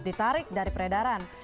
ditarik dari peredaran